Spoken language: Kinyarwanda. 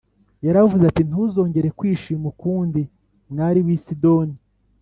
Yaravuze ati “Ntuzongere kwishima ukundi, mwari w’i Sidoni,